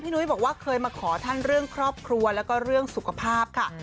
นุ้ยบอกว่าเคยมาขอท่านเรื่องครอบครัวแล้วก็เรื่องสุขภาพค่ะ